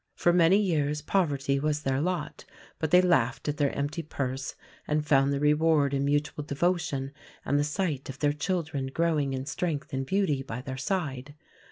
For many years poverty was their lot; but they laughed at their empty purse and found their reward in mutual devotion and the sight of their children growing in strength and beauty by their side.